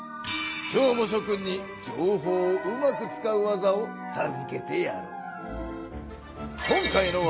今日もしょ君に情報をうまく使う技をさずけてやろう。